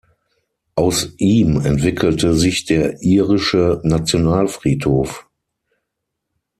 Aus ihm entwickelte sich der irische Nationalfriedhof.